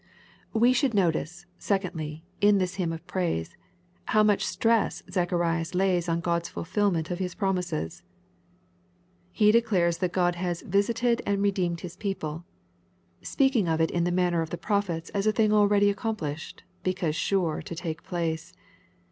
We should notice, secondly, in this hymn of praise, how much stress Zacharias lays on GoitsfvlJUmefd of His promises. He declares that Q od has " visited and re deemed his people,^' speaking of it in the manner of the prophets as a thing already accomplished, because sure to take place.